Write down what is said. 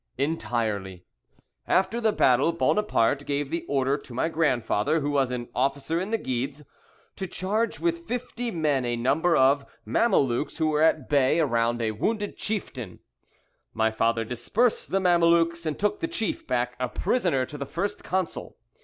"Entirely. After the battle Buonaparte gave the order to my grandfather, who was an officer in the Guides, to charge with fifty men a number of Mamelukes who were at bay around a wounded chieftain. My grandfather dispersed the Mamelukes and took the chief back a prisoner to the First Consul.